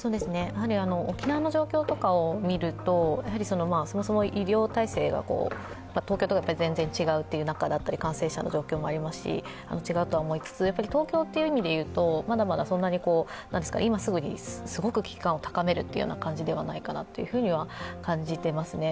沖縄の状況とかを見ると、そもそも医療体制が東京とかと全然違う中で、感染者の状況もありますし違うとは思いますけど、東京といういみでいうと、まだまだいますぐにすごく危機感を高めるという感じではないかなと感じていますね。